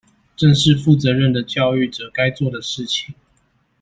正是負責任的教育者該做的事情